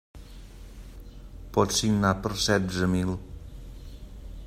Pots signar per setze mil.